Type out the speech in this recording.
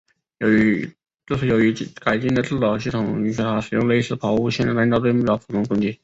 这是由于改进的制导系统允许它使用类似抛物线的弹道对目标俯冲攻击。